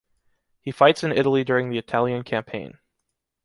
He fights in Italy during the Italian campaign.